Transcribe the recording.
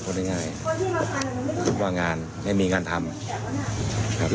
คุณนักงานคุณว่างงานไม่มีงานทำครับ